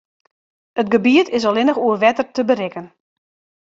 It gebiet is allinnich oer wetter te berikken.